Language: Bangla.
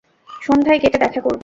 সন্ধ্যায় গেটে দেখা করব।